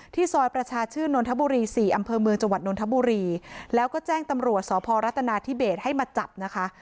ซอยประชาชื่นนทบุรี๔อำเภอเมืองจังหวัดนทบุรีแล้วก็แจ้งตำรวจสพรัฐนาธิเบสให้มาจับนะคะ